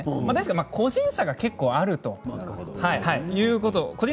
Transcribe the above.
個人差が結構あるということですね。